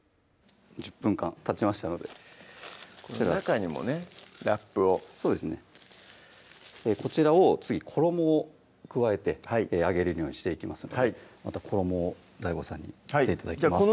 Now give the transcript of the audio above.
１０分間たちましたのでこの中にもねラップをそうですねこちらを次衣を加えて揚げれるようにしていきますのでまた衣をＤＡＩＧＯさんにやって頂きます